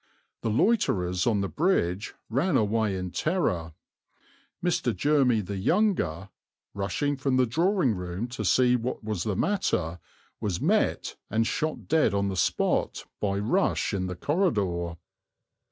The loiterers on the bridge ran away in terror. Mr. Jermy the younger, rushing from the drawing room to see what was the matter, was met, and shot dead on the spot, by Rush in the corridor.